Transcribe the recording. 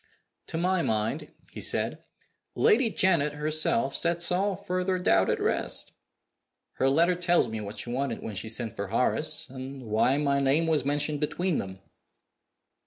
"To my mind," he said, "Lady Janet herself sets all further doubt at rest. Her letter tells me what she wanted when she sent for Horace, and why my name was mentioned between them."